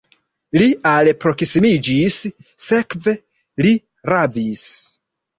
Li alproksimiĝis, sekve li ravis.